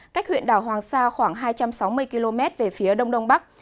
cách huyện đảo hoàng sa khoảng hai trăm sáu mươi km về phía đông đông bắc